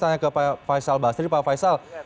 tanya ke pak faisal basri pak faisal